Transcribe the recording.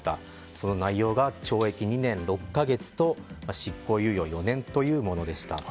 その内容が懲役２年６か月と執行猶予４年というものでした。